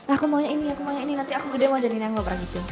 aku maunya ini aku maunya ini nanti aku udah mau jadi nanggopra gitu